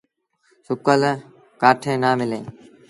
سُڪل ڪآٺيٚن نا مليٚن۔